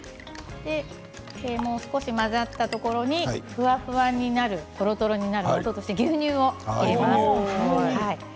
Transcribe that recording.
少し混ざったところにフワフワになる、とろとろになる牛乳を入れます。